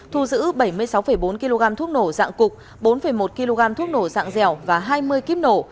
thu giữ bảy mươi sáu bốn kg thuốc nổ dạng cục bốn một kg thuốc nổ dạng dẻo và hai mươi kíp nổ